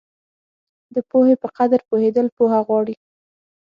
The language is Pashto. د پوهې په قدر پوهېدل پوهه غواړي.